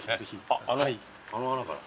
あっあの穴から？